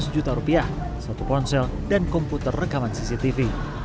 seratus juta rupiah satu ponsel dan komputer rekaman cctv